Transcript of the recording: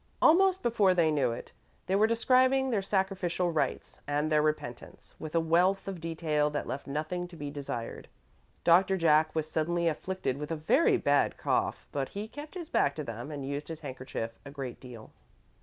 Almost before they knew it, they were describing their sacrificial rites and their repentance, with a wealth of detail that left nothing to be desired. Doctor Jack was suddenly afflicted with a very bad cough, but he kept his back to them and used his handkerchief a great deal.